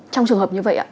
trong trường hợp như vậy ạ